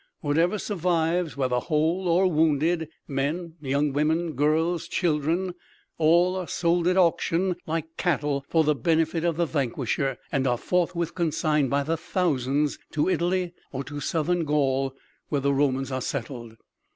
Whatever survives, whether whole or wounded men, young women, girls, children all are sold at auction like cattle for the benefit of the vanquisher, and are forthwith consigned by the thousands to Italy or to Southern Gaul where the Romans are settled!